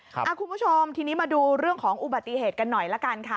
คุณผู้ชมทีนี้มาดูเรื่องของอุบัติเหตุกันหน่อยละกันค่ะ